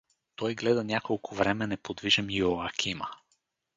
Той гледа няколко време неподвижен Иоакима.